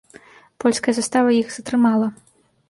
Польская застава іх затрымала.